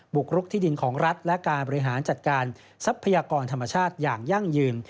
กรุกที่ดินของรัฐและการบริหารจัดการทรัพยากรธรรมชาติอย่างยั่งยืน